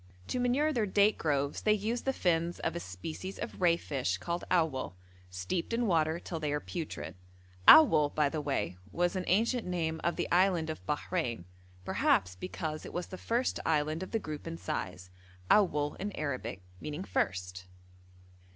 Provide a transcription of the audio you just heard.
To manure their date groves they use the fins of a species of ray fish called awwal, steeped in water till they are putrid; awwal, by the way, was an ancient name of the Island of Bahrein, perhaps because it was the first island of the group in size, awwal in Arabic meaning first.